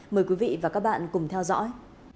mời quý vị và các bạn cùng theo dõi